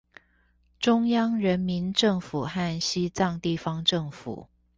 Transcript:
中央人民政府和西藏地方政府